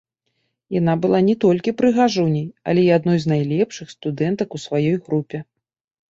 Яна была не толькі прыгажуняй, але і адной з найлепшых студэнтак у сваёй групе.